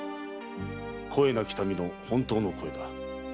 声なき民の本当の声だ。